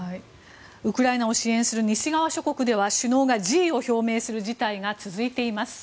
ウクライナを支援する西側諸国では首脳が辞意を表明する事態が続いています。